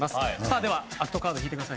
ではアクトカードを引いてください。